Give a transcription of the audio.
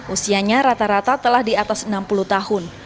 usianya rata rata telah di atas enam puluh tahun